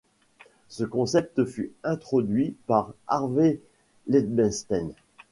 Ce concept fut introduit par Harvey Leibenstein.